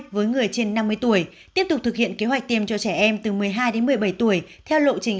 với người trên năm mươi tuổi tiếp tục thực hiện kế hoạch tiêm cho trẻ em từ một mươi hai đến một mươi bảy tuổi theo lộ trình